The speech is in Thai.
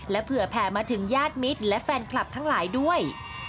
เผื่อแผ่มาถึงญาติมิตรและแฟนคลับทั้งหลายด้วย